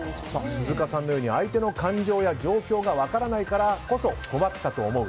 鈴鹿さんのように相手の感情や状況が分からないからこそ困ったと思う